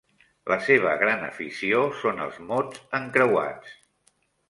La seva gran afició són els mots encreuats.